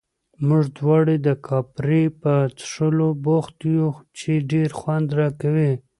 موږ دواړه د کاپري په څښلو بوخت یو، چې ډېر خوند راکوي.